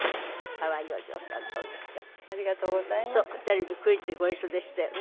テレビクイズでご一緒でしたよね。